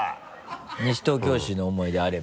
西東京市の思い出あれば。